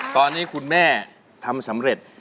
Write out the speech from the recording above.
ตอนนี้คุณแม่ทำสำเร็จ